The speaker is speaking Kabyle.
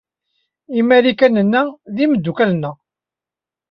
Imarikanen-a d imdukal-nneɣ.